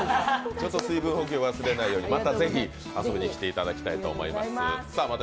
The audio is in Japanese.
水分補給を忘れないようにまたぜひ遊びに来ていただきたいと思います。